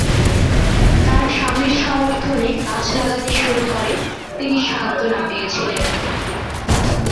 তার স্বামীর সমর্থনে, গাছ লাগাতে শুরু করে, তিনি সান্ত্বনা পেয়েছিলেন।